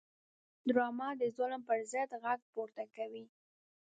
ډرامه د ظلم پر ضد غږ پورته کوي